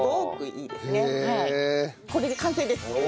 これで完成です。